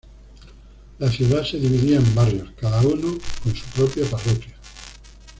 La ciudad se dividía en barrios, cada uno con su propia parroquia.